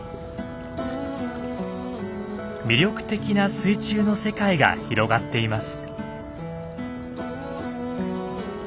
魅力的な水中の世界が広がっています。